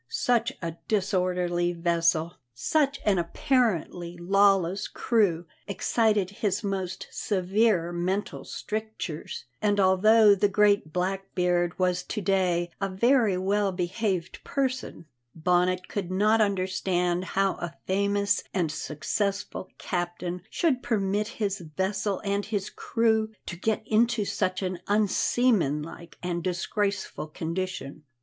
Such a disorderly vessel, such an apparently lawless crew, excited his most severe mental strictures; and, although the great Blackbeard was to day a very well behaved person, Bonnet could not understand how a famous and successful captain should permit his vessel and his crew to get into such an unseamanlike and disgraceful condition.